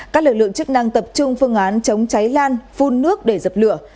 các lực lượng chức năng tập trung phương án chống cháy lan phun nước để dập lửa